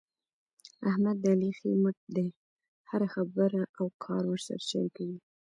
احمد د علي ښی مټ دی. هره خبره او کار ورسره شریکوي.